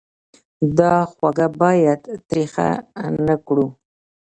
دا خوږه باید تریخه نه کړو.